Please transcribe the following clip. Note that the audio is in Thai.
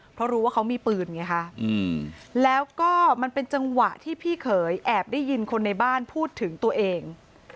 เพราะรู้ว่าเขามีปืนไงคะแล้วก็มันเป็นจังหวะที่พี่เขยแอบได้ยินคนในบ้านพูดถึงตัวเอง